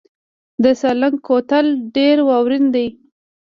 د سالنګ کوتل ډیر واورین دی